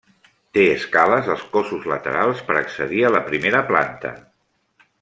Té escales als cossos laterals per accedir a la primera planta.